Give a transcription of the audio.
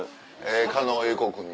狩野英孝君に。